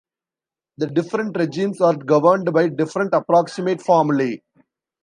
The different regimes are governed by different approximate formulae.